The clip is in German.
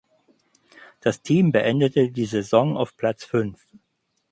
Das Team beendete die Saison auf Platz fünf.